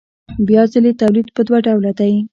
بیا ځلي تولید په دوه ډوله دی